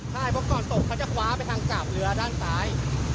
ใช่เพราะก่อนตกเขาจะคว้าไปทางกาบเรือด้านซ้าย